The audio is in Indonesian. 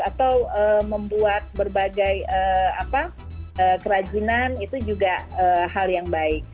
atau membuat berbagai kerajinan itu juga hal yang baik